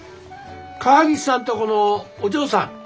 川岸さんとこのお嬢さん。